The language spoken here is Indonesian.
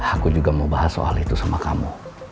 aku juga mau bahas soal itu sama kamu